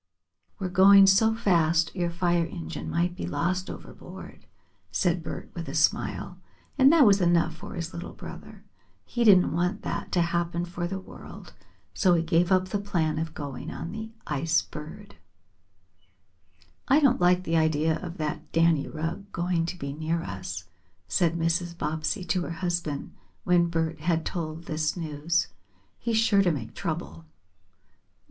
"We're going so fast your fire engine might be lost overboard," said Bert with a smile, and that was enough for his little brother. He didn't want that to happen for the world, so he gave up the plan of going on the Ice Bird. "I don't like the idea of that Danny Rugg going to be near us," said Mrs. Bobbsey to her husband, when Bert had told this news. "He's sure to make trouble."